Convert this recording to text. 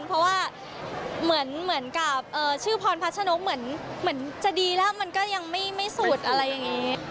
เพราะว่าเหมือนกับชื่อพรพัชนกเหมือนจะดีแล้วมันก็ยังไม่สุดอะไรอย่างนี้